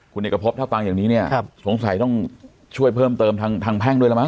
คุณเอกภพเท่าต่างอย่างนี้เนี้ยครับสงสัยต้องช่วยเพิ่มเติมทางทางแพ่งด้วยแล้วมั้ง